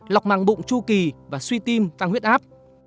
lọc màng bụng chu kỳ và suy tim tăng huyết áp